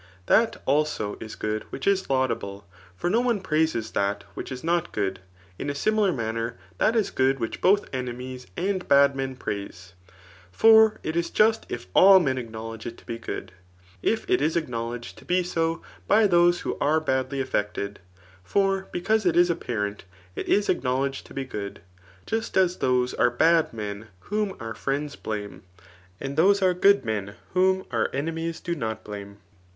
That, also, is good which is laudable ; for no one praises that which is no^ good* In a similar manner that is good which both enemies and bad men. praise. For it is just as if all men acknowledged it to be good, if it is acknowledged to be ^o by those that are badly affected. For because it i^ apparent, it is acknowledged to be good } just as those •are bad men whom our friends blame ; and those are good men whom our enemies do not blame.